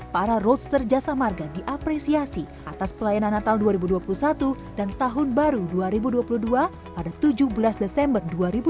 para roadster jasa marga diapresiasi atas pelayanan natal dua ribu dua puluh satu dan tahun baru dua ribu dua puluh dua pada tujuh belas desember dua ribu dua puluh